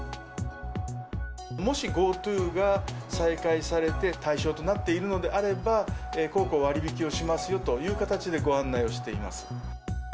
もしＧｏＴｏが再開されて、対象となっているのであれば、こうこう割引をしますよという形でご案内をしております。